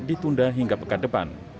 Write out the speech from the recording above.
ditunda hingga pekat depan